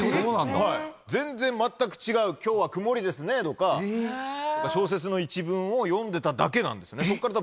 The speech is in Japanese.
全然全く違う、きょうは曇りですねとか、小説の一文を読んでただけなんですよね。